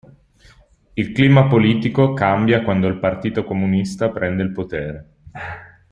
Il clima politico cambia quando il partito comunista prende il potere.